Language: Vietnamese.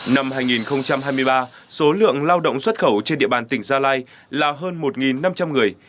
năm hai nghìn hai mươi ba số lượng lao động xuất khẩu trên địa bàn tỉnh gia lai là hơn một năm trăm linh người